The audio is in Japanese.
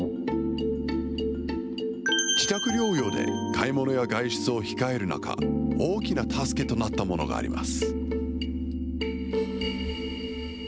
自宅療養で買い物や外出を控える中、大きな助けとなったものがあります。